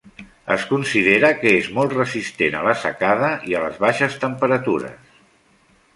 Es considera que és molt resistent a la secada i ales baixes temperatures.